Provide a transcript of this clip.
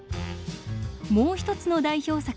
もう一つの代表作